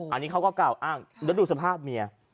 อันนี้เขาก็กล่าวอ้างแล้วดูสภาพเมีย